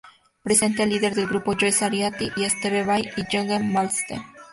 Presenta al líder del grupo Joe Satriani, a Steve Vai y a Yngwie Malmsteen.